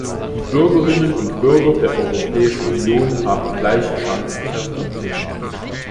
Die Bürgerinnen und Bürger der Europäischen Union haben gleiche Chancen verdient.